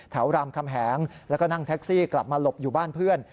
รามคำแหงแล้วก็นั่งแท็กซี่กลับมาหลบอยู่บ้านเพื่อน